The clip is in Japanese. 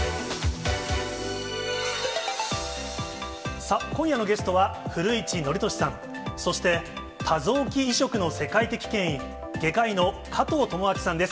さあ、今夜のゲストは、古市憲寿さん、そして多臓器移植の世界的権威、外科医の加藤友朗さんです。